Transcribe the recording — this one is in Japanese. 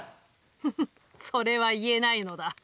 フフそれは言えないのだ。